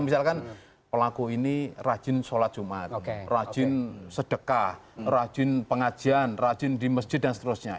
misalkan pelaku ini rajin sholat jumat rajin sedekah rajin pengajian rajin di masjid dan seterusnya